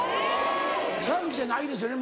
短気じゃないですよね？